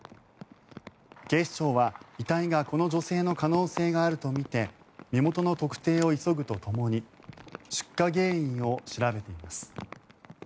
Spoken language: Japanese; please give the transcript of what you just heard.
警視庁は、遺体がこの女性の可能性があるとみて身元の特定を急ぐとともに出火原因を調べています。